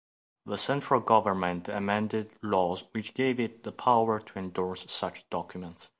The central government amended laws which gave it the power to endorse such documents.